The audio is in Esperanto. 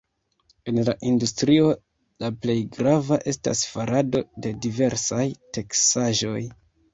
En la industrio la plej grava estas farado de diversaj teksaĵoj.